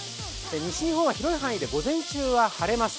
西日本は広い範囲で午前中は晴れます。